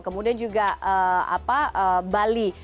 kemudian juga bali